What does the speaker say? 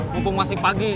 mumpung masih pagi